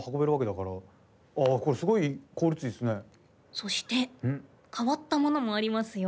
そして変わったものもありますよ。